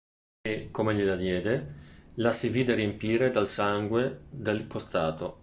E, come gliela diede, la si vide riempire dal sangue del costato.